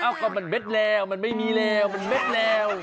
ก็มันเด็ดแล้วมันไม่มีแล้วมันเม็ดแล้ว